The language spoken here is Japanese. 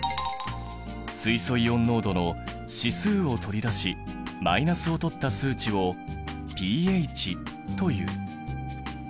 水素イオン濃度の指数を取り出しマイナスを取った数値をｐＨという。